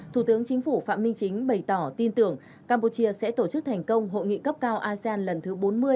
thủ tướng chính phủ phạm minh chính bày tỏ tin tưởng campuchia sẽ tổ chức thành công hội nghị cấp cao asean lần thứ bốn mươi bốn mươi một